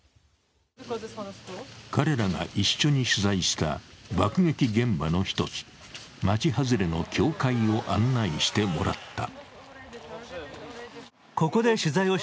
彼らが一緒に取材した爆撃現場の１つ、町外れの教会を案内してもらった。